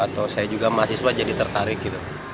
adik adik jadi tertarik gitu